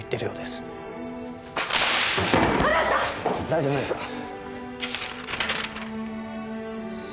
大丈夫ですか？